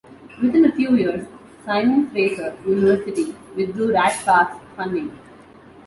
Within a few years, Simon Fraser University withdrew Rat Park's funding.